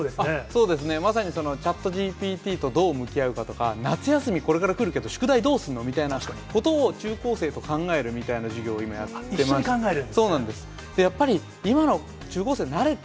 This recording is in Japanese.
そうですね、まさにチャットＧＰＴとどう向き合うかとか、夏休みこれから来るけど、宿題どうするのみたいなことを中高生と考えるような授業を今やっ一緒に考える？